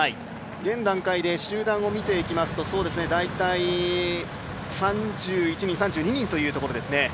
現段階で集団を見ていきますと大体３２人というところですね。